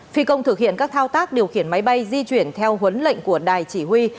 phi công thực hiện các thao tác điều khiển máy bay di chuyển theo huấn lệnh của đài chỉ huy